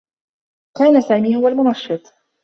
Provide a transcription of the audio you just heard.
كان سامي هو المنشّط.